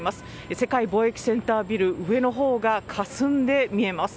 世界貿易センタービル上のほうが、かすんで見えます。